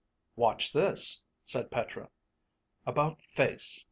(Watch this, said Petra, _About face....